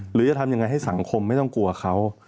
หรือจะทำยังไงให้สังคมไม่ต้องกลัวเขา